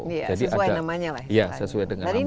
sesuai namanya lah iya sesuai dengan namanya